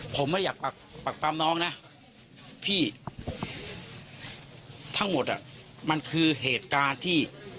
ผมไม่อยากปากปั๊มน้องนะพี่ทั้งหมดอ่ะมันคือเหตุการณ์ที่